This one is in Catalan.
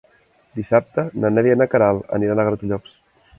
Dissabte na Neida i na Queralt aniran a Gratallops.